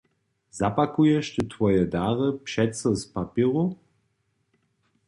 Zapakuješ ty twoje dary přeco z papjeru?